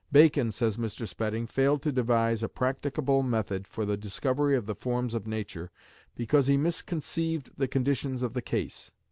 "Bacon," says Mr. Spedding, "failed to devise a practicable method for the discovery of the Forms of Nature, because he misconceived the conditions of the case....